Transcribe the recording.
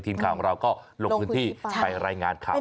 ทีมข่าวของเราก็ลงพื้นที่ไปรายงานข่าว